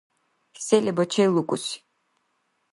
Се леба челукьуси?